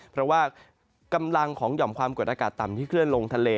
เพราะว่ากำลังของหย่อมความกดอากาศต่ำที่เคลื่อนลงทะเล